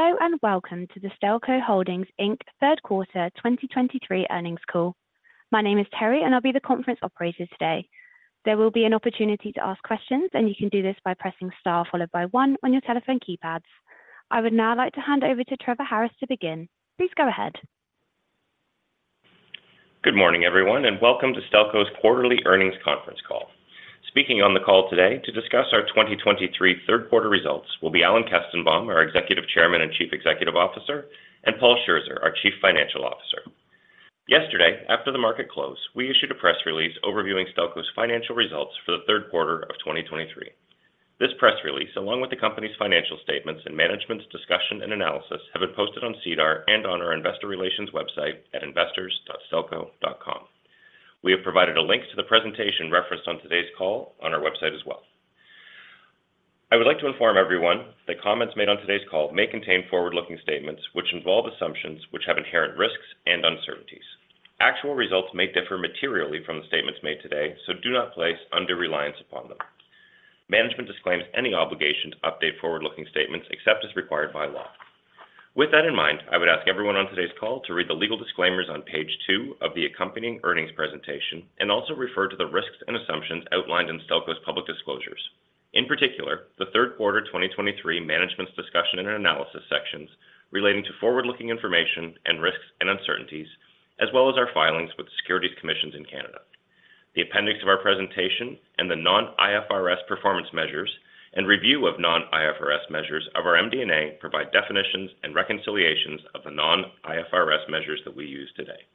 Hello, and welcome to the Stelco Holdings Inc. third quarter 2023 earnings call. My name is Terry, and I'll be the conference operator today. There will be an opportunity to ask questions, and you can do this by pressing star followed by one on your telephone keypads. I would now like to hand over to Trevor Harris to begin. Please go ahead. Good morning, everyone, and welcome to Stelco's quarterly earnings conference call. Speaking on the call today to discuss our 2023 third quarter results will be Alan Kestenbaum, our Executive Chairman and Chief Executive Officer, and Paul Scherzer, our Chief Financial Officer. Yesterday, after the market closed, we issued a press release overviewing Stelco's financial results for the third quarter of 2023. This press release, along with the company's financial statements and Management's Discussion and Analysis, have been posted on SEDAR and on our investor relations website at investors.stelco.com. We have provided a link to the presentation referenced on today's call on our website as well. I would like to inform everyone that comments made on today's call may contain forward-looking statements, which involve assumptions which have inherent risks and uncertainties. Actual results may differ materially from the statements made today, so do not place undue reliance upon them. Management disclaims any obligation to update forward-looking statements except as required by law. With that in mind, I would ask everyone on today's call to read the legal disclaimers on page 2 of the accompanying earnings presentation and also refer to the risks and assumptions outlined in Stelco's public disclosures. In particular, the third quarter 2023 Management's Discussion and Analysis sections relating to forward-looking information and risks and uncertainties, as well as our filings with the Securities Commissions in Canada. The appendix of our presentation and the non-IFRS performance measures and review of non-IFRS measures of our MD&A provide definitions and reconciliations of the non-IFRS measures that we use today.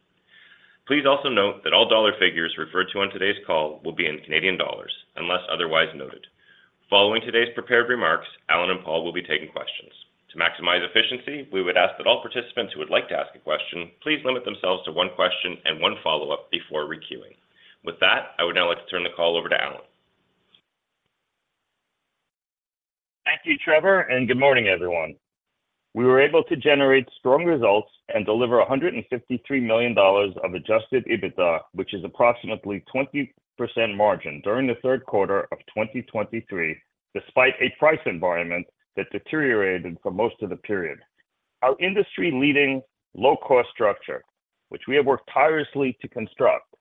Please also note that all dollar figures referred to on today's call will be in Canadian dollars, unless otherwise noted. Following today's prepared remarks, Alan and Paul will be taking questions. To maximize efficiency, we would ask that all participants who would like to ask a question, please limit themselves to one question and one follow-up before re-queuing. With that, I would now like to turn the call over to Alan. Thank you, Trevor, and good morning, everyone. We were able to generate strong results and deliver 153 million dollars of Adjusted EBITDA, which is approximately 20% margin during the third quarter of 2023, despite a price environment that deteriorated for most of the period. Our industry-leading low-cost structure, which we have worked tirelessly to construct,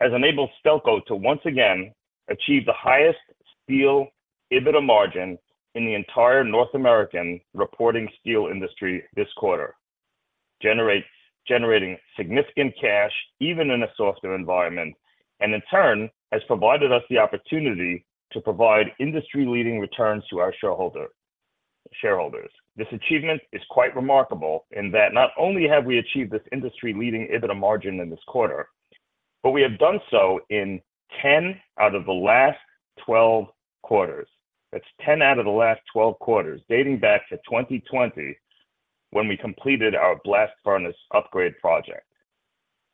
has enabled Stelco to once again achieve the highest steel EBITDA margin in the entire North American reporting steel industry this quarter. Generating significant cash even in a softer environment, and in turn, has provided us the opportunity to provide industry-leading returns to our shareholders. This achievement is quite remarkable in that not only have we achieved this industry-leading EBITDA margin in this quarter, but we have done so in 10 out of the last 12 quarters. That's 10 out of the last 12 quarters, dating back to 2020 when we completed our blast furnace upgrade project.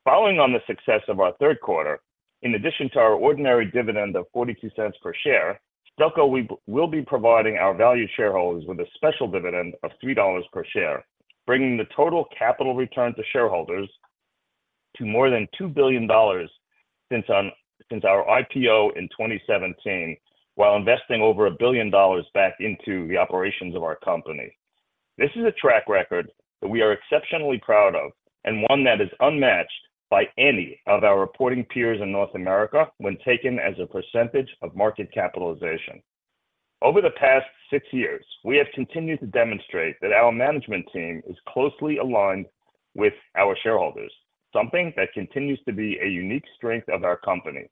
Following on the success of our third quarter, in addition to our ordinary dividend of 0.42 per share, Stelco, we will be providing our value shareholders with a special dividend of CAD 3 per share, bringing the total capital return to shareholders to more than CAD 2 billion since our IPO in 2017, while investing over 1 billion dollars back into the operations of our company. This is a track record that we are exceptionally proud of and one that is unmatched by any of our reporting peers in North America when taken as a percentage of market capitalization. Over the past six years, we have continued to demonstrate that our management team is closely aligned with our shareholders, something that continues to be a unique strength of our company.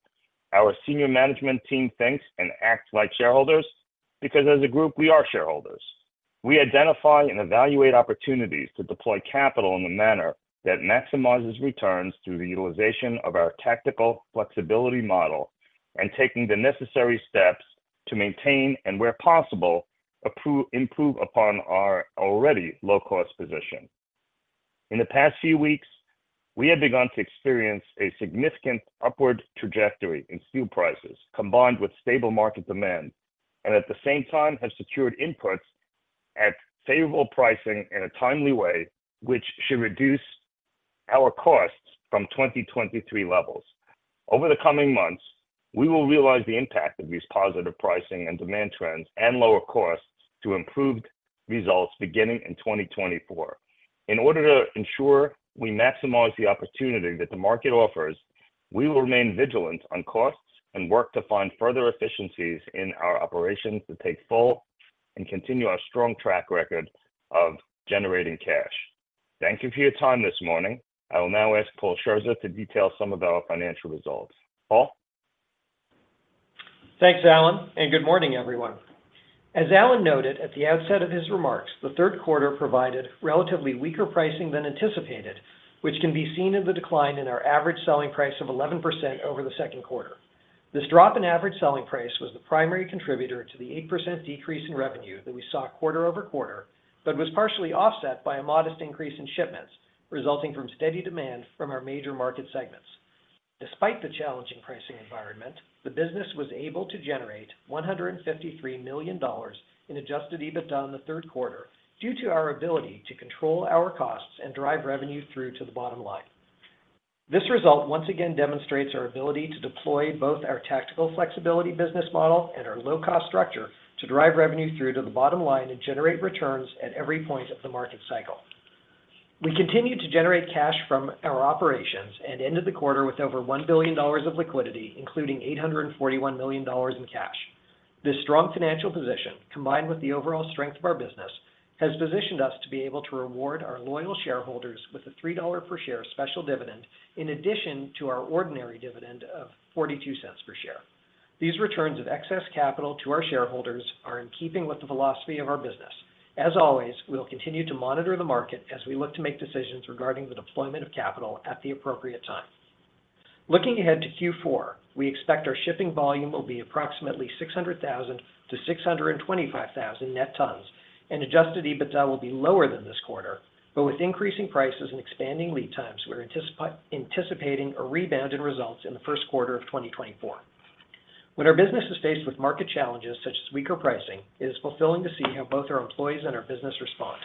Our senior management team thinks and acts like shareholders because as a group, we are shareholders. We identify and evaluate opportunities to deploy capital in a manner that maximizes returns through the utilization of our tactical flexibility model and taking the necessary steps to maintain and, where possible, improve upon our already low-cost position. In the past few weeks, we have begun to experience a significant upward trajectory in steel prices, combined with stable market demand, and at the same time have secured inputs at favorable pricing in a timely way, which should reduce our costs from 2023 levels. Over the coming months, we will realize the impact of these positive pricing and demand trends and lower costs to improved results beginning in 2024. In order to ensure we maximize the opportunity that the market offers, we will remain vigilant on costs and work to find further efficiencies in our operations to take full and continue our strong track record of generating cash. Thank you for your time this morning. I will now ask Paul Scherzer to detail some of our financial results. Paul? Thanks, Alan, and good morning, everyone. As Alan noted at the outset of his remarks, the third quarter provided relatively weaker pricing than anticipated, which can be seen in the decline in our average selling price of 11% over the second quarter. This drop in average selling price was the primary contributor to the 8% decrease in revenue that we saw quarter-over-quarter, but was partially offset by a modest increase in shipments, resulting from steady demand from our major market segments. Despite the challenging pricing environment, the business was able to generate 153 million dollars in Adjusted EBITDA in the third quarter due to our ability to control our costs and drive revenue through to the bottom line.... This result once again demonstrates our ability to deploy both our tactical flexibility business model and our low-cost structure to drive revenue through to the bottom line and generate returns at every point of the market cycle. We continue to generate cash from our operations and ended the quarter with over 1 billion dollars of liquidity, including 841 million dollars in cash. This strong financial position, combined with the overall strength of our business, has positioned us to be able to reward our loyal shareholders with a 3 dollar per share special dividend, in addition to our ordinary dividend of 0.42 per share. These returns of excess capital to our shareholders are in keeping with the philosophy of our business. As always, we will continue to monitor the market as we look to make decisions regarding the deployment of capital at the appropriate time. Looking ahead to Q4, we expect our shipping volume will be approximately 600,000-625,000 net tons, and Adjusted EBITDA will be lower than this quarter, but with increasing prices and expanding lead times, we're anticipating a rebound in results in the first quarter of 2024. When our business is faced with market challenges such as weaker pricing, it is fulfilling to see how both our employees and our business respond.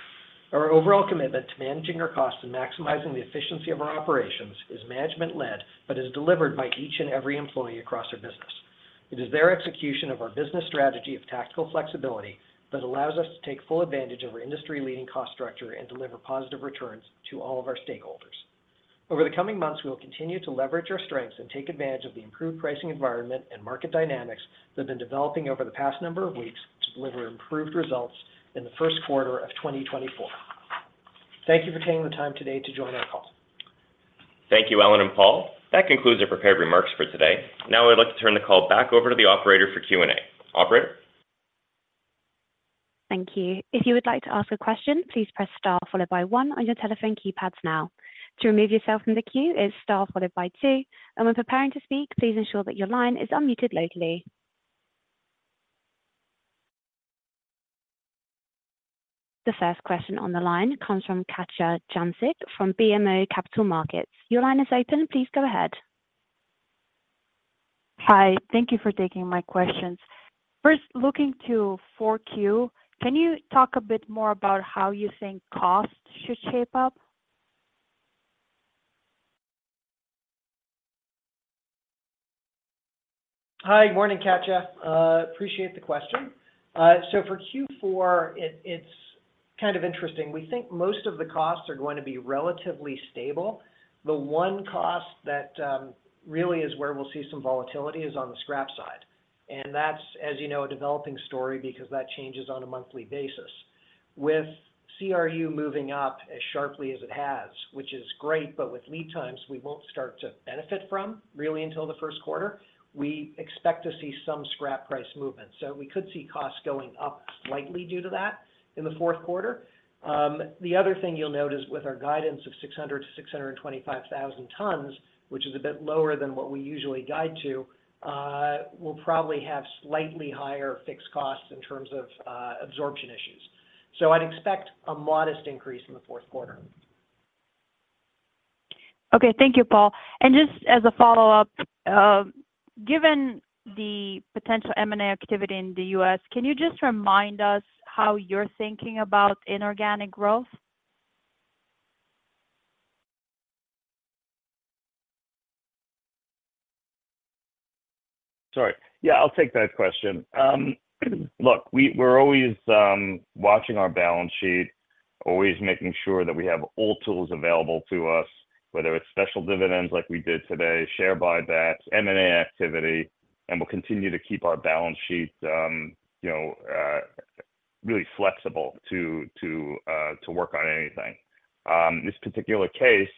Our overall commitment to managing our costs and maximizing the efficiency of our operations is management-led, but is delivered by each and every employee across our business. It is their execution of our business strategy of tactical flexibility that allows us to take full advantage of our industry-leading cost structure and deliver positive returns to all of our stakeholders. Over the coming months, we will continue to leverage our strengths and take advantage of the improved pricing environment and market dynamics that have been developing over the past number of weeks to deliver improved results in the first quarter of 2024. Thank you for taking the time today to join our call. Thank you, Alan and Paul. That concludes the prepared remarks for today. Now, I'd like to turn the call back over to the operator for Q&A. Operator? Thank you. If you would like to ask a question, please press star followed by one on your telephone keypads now. To remove yourself from the queue, it's star followed by two, and when preparing to speak, please ensure that your line is unmuted locally. The first question on the line comes from Katja Jancic from BMO Capital Markets. Your line is open. Please go ahead. Hi, thank you for taking my questions. First, looking to Q4, can you talk a bit more about how you think costs should shape up? Hi, good morning, Katja. Appreciate the question. So for Q4, it's kind of interesting. We think most of the costs are going to be relatively stable. The one cost that really is where we'll see some volatility is on the scrap side, and that's, as you know, a developing story because that changes on a monthly basis. With CRU moving up as sharply as it has, which is great, but with lead times, we won't start to benefit from really until the first quarter. We expect to see some scrap price movement, so we could see costs going up slightly due to that in the fourth quarter. The other thing you'll note is with our guidance of 600-625,000 tons, which is a bit lower than what we usually guide to, we'll probably have slightly higher fixed costs in terms of absorption issues. So I'd expect a modest increase in the fourth quarter. Okay, thank you, Paul. Just as a follow-up, given the potential M&A activity in the U.S., can you just remind us how you're thinking about inorganic growth? Sorry. Yeah, I'll take that question. Look, we're always watching our balance sheet, always making sure that we have all tools available to us, whether it's special dividends like we did today, share buybacks, M&A activity, and we'll continue to keep our balance sheet, you know, really flexible to work on anything. This particular case,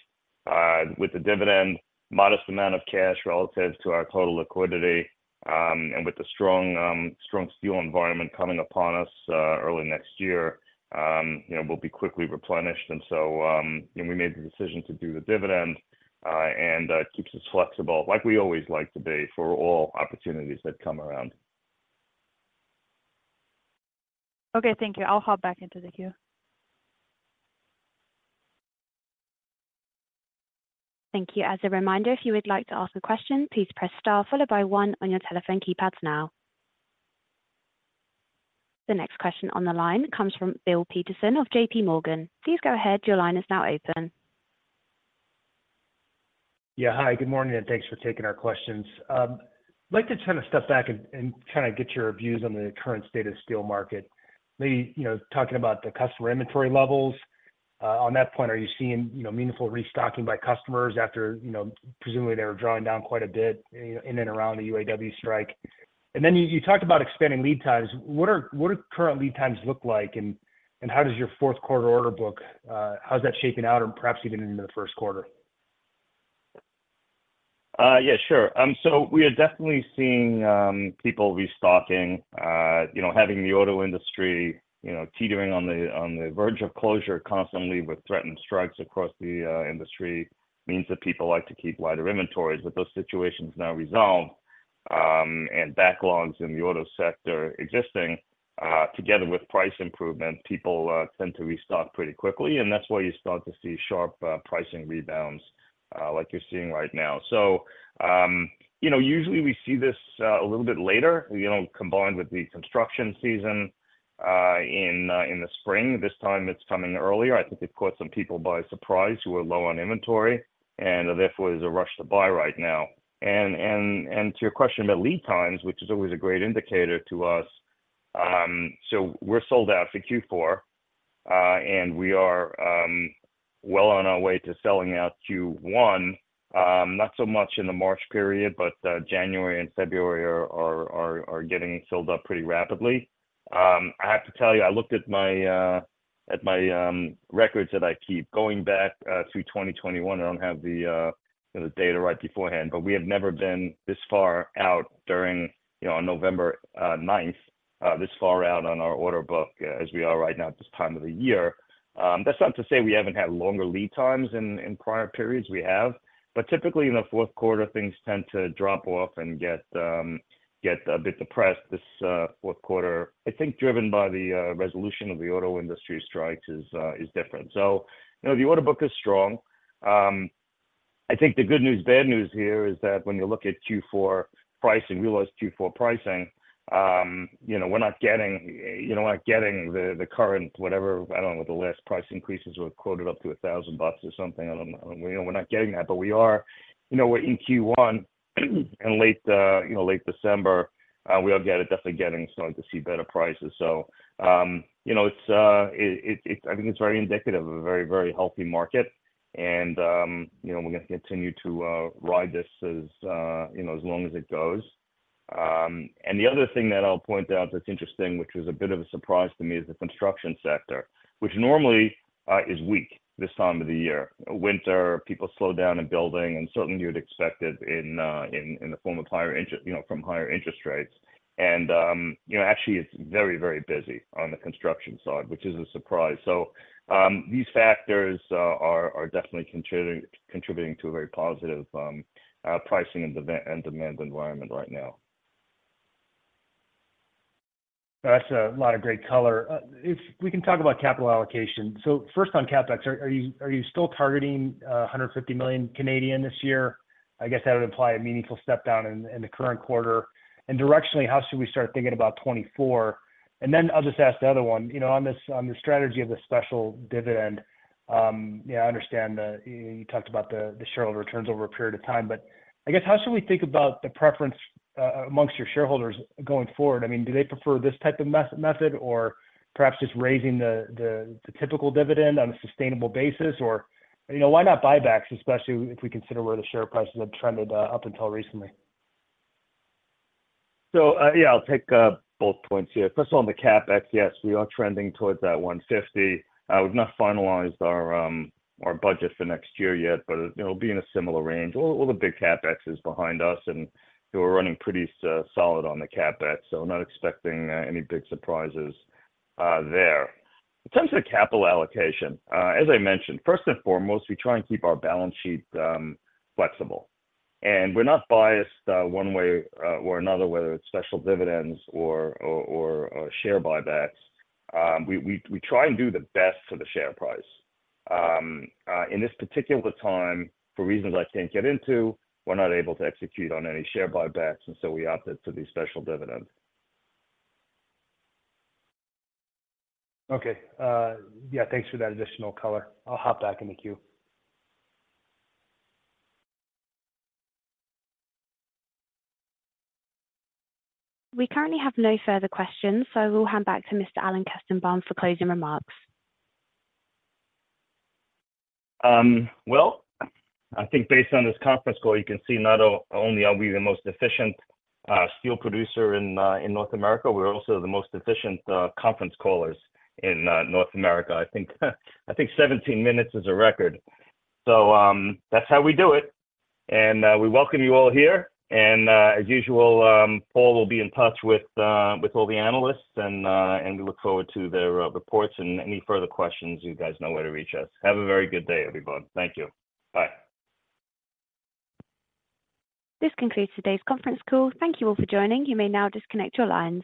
with the dividend, modest amount of cash relative to our total liquidity, and with the strong steel environment coming upon us, early next year, you know, we'll be quickly replenished. And so, and we made the decision to do the dividend, and that keeps us flexible, like we always like to be for all opportunities that come around. Okay, thank you. I'll hop back into the queue. Thank you. As a reminder, if you would like to ask a question, please press Star followed by one on your telephone keypads now. The next question on the line comes from Bill Peterson of JPMorgan. Please go ahead. Your line is now open. Yeah, hi, good morning, and thanks for taking our questions. I'd like to kind of step back and kind of get your views on the current state of steel market. Maybe, you know, talking about the customer inventory levels. On that point, are you seeing, you know, meaningful restocking by customers after, you know, presumably they were drawing down quite a bit in and around the UAW strike? And then you talked about expanding lead times. What do current lead times look like, and how does your fourth quarter order book shape out or perhaps even into the first quarter? Yeah, sure. So we are definitely seeing people restocking. You know, having the auto industry, you know, teetering on the verge of closure constantly with threatened strikes across the industry, means that people like to keep lighter inventories. But those situations now resolved, and backlogs in the auto sector existing, together with price improvement, people tend to restock pretty quickly, and that's why you start to see sharp pricing rebounds like you're seeing right now. So you know, usually we see this a little bit later, you know, combined with the construction season in the spring, this time it's coming earlier. I think it caught some people by surprise who were low on inventory, and therefore, there's a rush to buy right now. To your question about lead times, which is always a great indicator to us, so we're sold out for Q4, and we are well on our way to selling out Q1, not so much in the March period, but January and February are getting filled up pretty rapidly. I have to tell you, I looked at my records that I keep going back to 2021. I don't have the data right beforehand, but we have never been this far out during, you know, on November 9th this far out on our order book as we are right now at this time of the year. That's not to say we haven't had longer lead times in prior periods, we have. But typically in the fourth quarter, things tend to drop off and get a bit depressed. This fourth quarter, I think, driven by the resolution of the auto industry strikes is different. So, you know, the order book is strong. I think the good news, bad news here is that when you look at Q4 price and realize Q4 pricing, you know, we're not getting, you know, we're not getting the current, whatever, I don't know, the last price increases were quoted up to $1,000 or something. I don't know. We know we're not getting that, but we are, you know, we're in Q1 and late, you know, late December, we are getting, definitely getting starting to see better prices. So, you know, I think it's very indicative of a very, very healthy market. And, you know, we're gonna continue to ride this as, you know, as long as it goes. And the other thing that I'll point out that's interesting, which was a bit of a surprise to me, is the construction sector, which normally is weak this time of the year. Winter, people slow down in building, and certainly you'd expect it in the form of higher interest, you know, from higher interest rates. And, you know, actually, it's very, very busy on the construction side, which is a surprise. So, these factors are definitely contributing to a very positive pricing and demand environment right now. That's a lot of great color. If we can talk about capital allocation. So first on CapEx, are you still targeting 150 million this year? I guess that would imply a meaningful step down in the current quarter. And directionally, how should we start thinking about 2024? And then I'll just ask the other one, you know, on this, on the strategy of the special dividend, yeah, I understand that you talked about the shareholder returns over a period of time, but I guess, how should we think about the preference amongst your shareholders going forward? I mean, do they prefer this type of method or perhaps just raising the typical dividend on a sustainable basis? Or, you know, why not buybacks, especially if we consider where the share prices have trended up until recently. So, yeah, I'll take both points here. First, on the CapEx, yes, we are trending towards that 150. We've not finalized our budget for next year yet, but it'll be in a similar range. All the big CapEx is behind us, and we're running pretty solid on the CapEx, so I'm not expecting any big surprises there. In terms of the capital allocation, as I mentioned, first and foremost, we try and keep our balance sheet flexible. We're not biased one way or another, whether it's special dividends or share buybacks. We try and do the best for the share price. In this particular time, for reasons I can't get into, we're not able to execute on any share buybacks, and so we opted for the special dividend. Okay, yeah, thanks for that additional color. I'll hop back in the queue. We currently have no further questions, so we'll hand back to Mr. Alan Kestenbaum for closing remarks. Well, I think based on this conference call, you can see not only are we the most efficient steel producer in North America, we're also the most efficient conference callers in North America. I think 17 minutes is a record. So, that's how we do it, and we welcome you all here. And, as usual, Paul will be in touch with all the analysts and we look forward to their reports and any further questions. You guys know where to reach us. Have a very good day, everyone. Thank you. Bye. This concludes today's conference call. Thank you all for joining. You may now disconnect your lines.